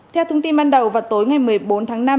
theo thông tin ban đầu vào tối ngày một mươi bốn tháng năm